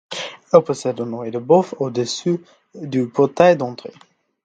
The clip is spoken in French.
Elle possède un œil-de-bœuf au-dessus du portail d'entrée.